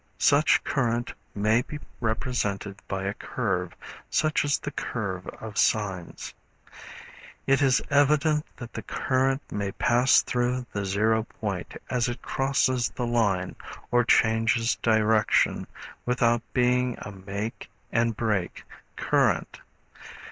Such current may be represented by a curve, such as the curve of sines. It is evident that the current may pass through the zero point as it crosses the line or changes direction without being a make and break current.